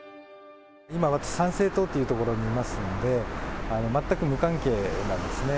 今、私、参政党っていうところにいますので、全く無関係なんですね。